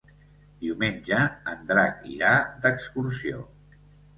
Diumenge en Drac irà d'excursió.